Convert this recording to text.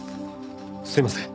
すいません。